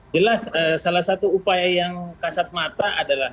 jelas salah satu upaya yang kasat mata adalah